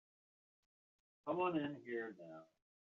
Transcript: Come on in here now.